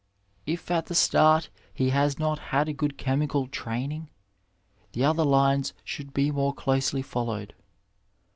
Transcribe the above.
If at the start he has not had a good chemical training, the other lines should be more closely followed.